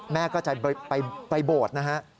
แม่ก็จะไปโบสถ์นะฮะ